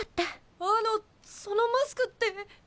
あのそのマスクって。